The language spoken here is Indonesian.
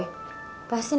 pasti nanti disarankan